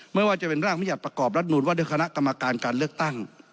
ไม่ว่าจะเป็นร่างมัติประกอบรัฐนูลว่าด้วยคณะกรรมการการเลือกตั้ง